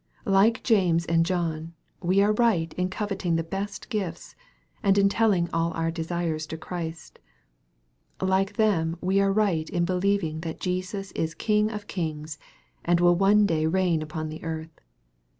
Like James and John, we are right in coveting the best gifts, and in telling all our desires to Christ. Like them we are right in believing that Jesus is King of kings, and will one day reign upon the earth.